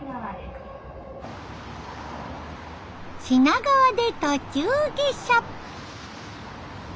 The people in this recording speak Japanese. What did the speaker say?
品川で途中下車。